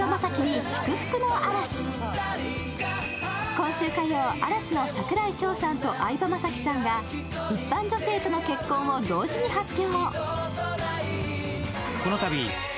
今週火曜、嵐の櫻井翔さんと相葉雅紀さんが一般女性との結婚を同時に発表。